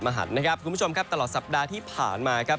หันนะครับคุณผู้ชมครับตลอดสัปดาห์ที่ผ่านมาครับ